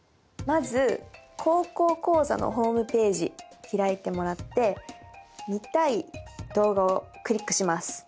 まず「高校講座」のホームページ開いてもらって見たい動画をクリックします。